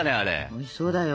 おいしそうだよ。